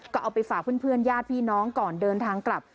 ก็เอาไปฝากเพื่อนญาติพี่น้องก่อนเดินทางกลับ